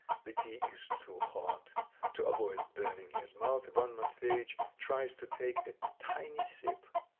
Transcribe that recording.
The tea is too hot. To avoid burning his mouth Ivan Matveyitch tries to take a tiny sip.